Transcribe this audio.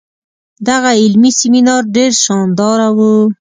دغه علمي سیمینار ډیر شانداره وو.